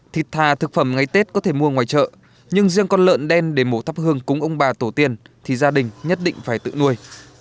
thịt thà thực phẩm ngày tết có thể mua ngoài chợ nhưng riêng con lợn đen để mổ thắp hương cúng ông bà tổ tiên thì gia đình nhất định phải tự nuôi